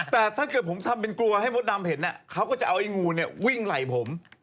แต่ถ้าเกิดผมทำเป็นกลัวให้มดดำเห็นเขาก็จะเอาไอ้งูเนี่ยวิ่งไหล่ผม